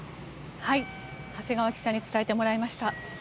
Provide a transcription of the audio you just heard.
長谷川記者に伝えてもらいました。